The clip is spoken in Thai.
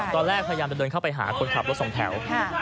พยายามจะเดินเข้าไปหาคนขับรถสองแถว